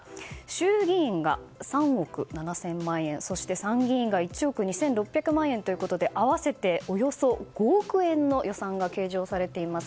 衆議院が３億７０００万円そして参議院が１億２６００万円ということで合わせておよそ５億円の予算が計上されています。